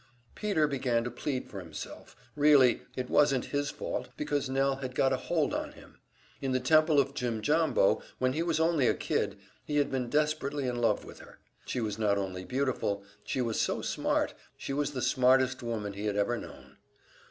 Peter began to plead for himself, Really it wasn't his fault because Nell had got a hold on him. In the Temple of Jimjambo, when he was only a kid, he had been desperately in love with her. She was not only beautiful, she was so smart; she was the smartest woman he had ever known.